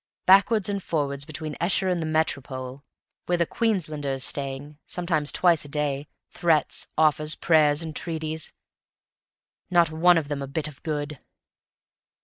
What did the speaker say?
Backwards and forwards between Esher and the Métropole, where the Queenslander is staying, sometimes twice a day; threats, offers, prayers, entreaties, not one of them a bit of good!"